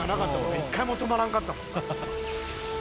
１回も止まらんかったもん。